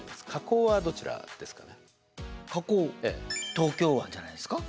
東京湾じゃないですか。